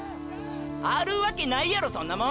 あるわけないやろそんなもん！！